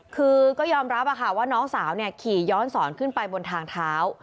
คือก็ยอมรับว่าน้องสาวขี่ย้อนสอนขึ้นไปบนทางเท้า